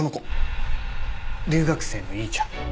留学生の怡ちゃん。